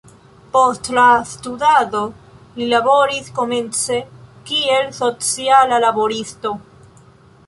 Post la studado, li laboris komence kiel sociala laboristo.